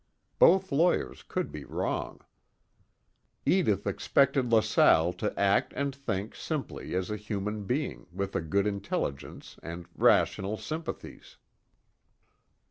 Both lawyers could be wrong; Edith expected LaSalle to act and think simply as a human being with a good intelligence and rational sympathies.